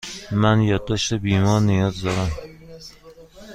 من یادداشت بیمار نیاز دارم.